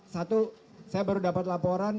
saya baru dapat laporan